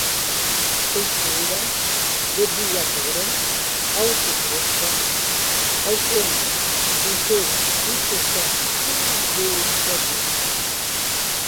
ceifeira-debulhadora, autodireção, autônomos, sensores, inspeção, pulverizador